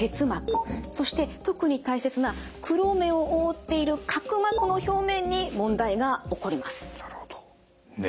そして特に大切な黒目を覆っている角膜の表面に問題が起こります。